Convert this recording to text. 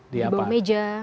di bawah meja